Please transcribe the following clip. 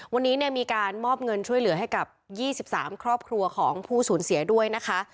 วันนี้มีการมอบเงินช่วยเหลือให้กับ๒๓ครอบครัวของผู้สูญเสียด้วยนะคะ